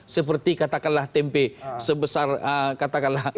seperti katakanlah tempe sebesar katakanlah atm itu